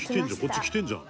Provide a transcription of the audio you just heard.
こっち来てるじゃん！」